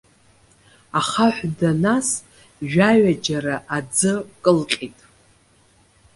Ахаҳә данас, жәаҩаџьара аӡы кылҟьеит.